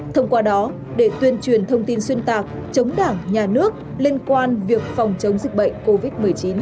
thông qua đó để tuyên truyền thông tin xuyên tạc chống đảng nhà nước liên quan việc phòng chống dịch bệnh covid một mươi chín